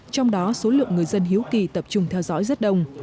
trong đó số lượng người dân hiếu kỳ tập trung theo dõi rất đông